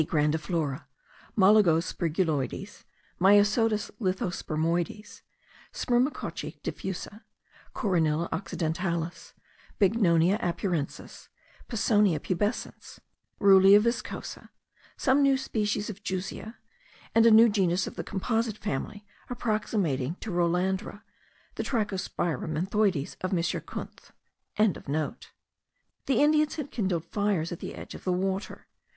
grandiflora, Mollugo sperguloides, Myosotis lithospermoides, Spermacocce diffusa, Coronilla occidentalis, Bignonia apurensis, Pisonia pubescens, Ruellia viscosa, some new species of Jussieua, and a new genus of the composite family, approximating to Rolandra, the Trichospira menthoides of M. Kunth.) The Indians had kindled fires at the edge of the water.